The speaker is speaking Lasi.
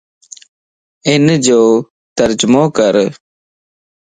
انَ جو ترجمو ڪَر